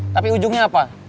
tapi ujungnya apa